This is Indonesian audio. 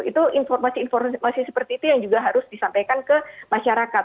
itu informasi informasi seperti itu yang juga harus disampaikan ke masyarakat